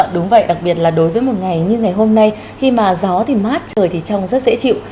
đúng vậy đặc biệt là đối với một ngày như ngày hôm nay khi mà gió thì mát trời thì trong rất dễ chịu